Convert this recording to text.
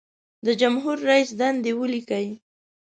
د جمهور رئیس دندې ولیکئ.